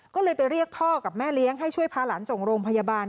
ก็เลยไปเรียกพ่อกับแม่เลี้ยงให้ช่วยพาหลานส่งโรงพยาบาล